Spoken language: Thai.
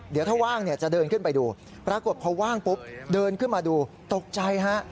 เดี๋ยวถ้าว่างเนี่ยจะเดินขึ้นไปดูปรากฏพอว่างปุ๊บเดินขึ้นมาดูตกใจฮะ